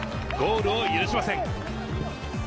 ゴールを許しません。